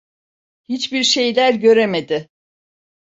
Hiçbir şeyler göremedi.